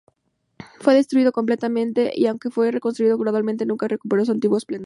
Fue destruido completamente, y aunque fue reconstruido gradualmente, nunca recuperó su antiguo esplendor.